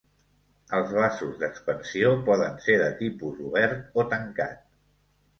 Els vasos d'expansió poden ser de tipus obert o tancat.